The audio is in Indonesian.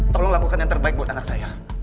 tolong lakukan yang terbaik buat anak saya